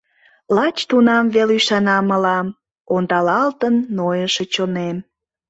Лач тунам вел ӱшана мылам Ондалалтын нойышо чонем.